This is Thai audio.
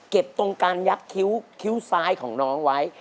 ตรงการยักษ์คิ้วซ้ายของน้องไว้